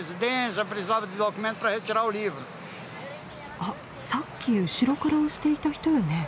あっさっき後ろから押していた人よね。